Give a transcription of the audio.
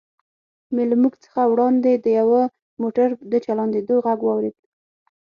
مې له موږ څخه وړاندې د یوه موټر د چالانېدو غږ واورېد.